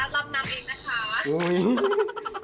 ลำน้ำเองนะคะ